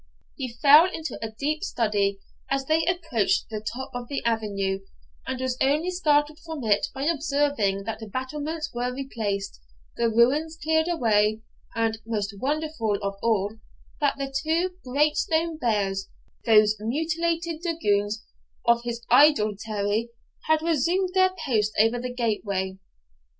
He fell into a deep study as they approached the top of the avenue, and was only startled from it by observing that the battlements were replaced, the ruins cleared away, and (most wonderful of all) that the two great stone bears, those mutilated Dagons of his idolatry, had resumed their posts over the gateway.